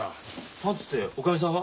パンツっておかみさんは？